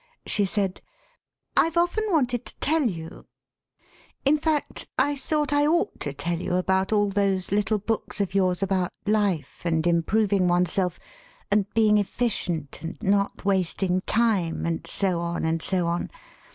She said: "I've often wanted to teU you; in fact, I £3 54 SELF AND SELF MANAGEMENT thought I ought to tell you about all those little books of yours about life and improving oneself, and being efGcient and not wasting time, and so on, and so on.